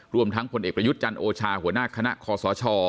รวมทั้งพลเอกประยุทธ์จันทร์โอชาหัวหน้าคณะคอสช